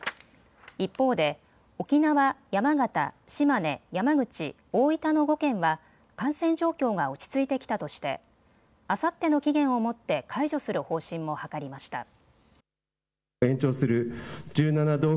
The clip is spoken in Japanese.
一方で、沖縄、山形、島根、山口、大分の５県は感染状況が落ち着いてきたとしてあさっての期限をもって解除する方針も諮りました。